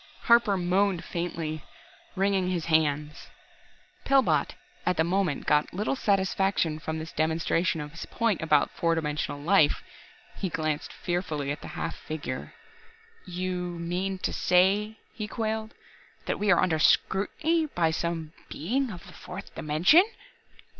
Harper moaned faintly, wringing his hands. Pillbot at the moment got little satisfaction from this demonstration of his point about four dimensional life. He glanced fearfully at the half figure. "You you mean to say," he quailed, "that we are under scrutiny by some Being of the fourth dimension?"